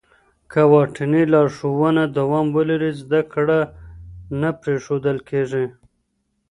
که واټني لارښوونه دوام ولري، زده کړه نه پرېښودل کېږي.